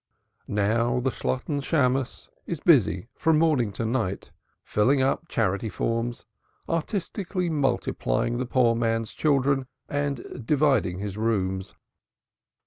Now the Shalotten Shammos is busy from morning to night filling up charity forms, artistically multiplying the poor man's children and dividing his rooms.